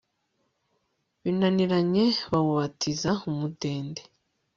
binaniranye bawubatiza umudende